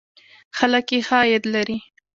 خلک یې ښه عاید لري.